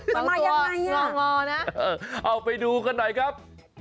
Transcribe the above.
มันมายังไงงองอนะเอาไปดูกันหน่อยครับ